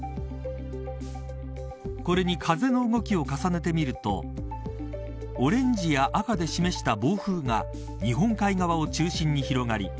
これに風の動きを重ねてみるとオレンジや赤で示した暴風が日本海側を中心に広がり